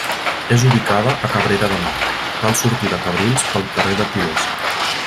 És ubicada a Cabrera de Mar: cal sortir de Cabrils pel carrer de Til·lers.